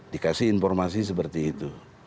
dikasih informasi seperti itu